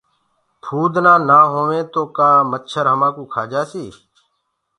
ڀمڀڻيونٚ نآ هوينٚ گو ڪآ مڇر همآ ڪوُ کآ جآسي۔